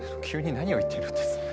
急に何を言ってるんです？